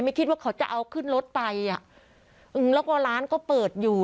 คิดว่าเขาจะเอาขึ้นรถไปอ่ะอืมแล้วก็ร้านก็เปิดอยู่